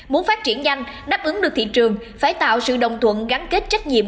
muốn phát triển nhanh đáp ứng được thị trường phải tạo sự đồng thuận gắn kết trách nhiệm